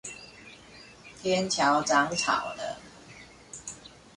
天橋長草了